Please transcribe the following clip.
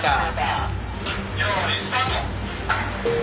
「よいスタート！」。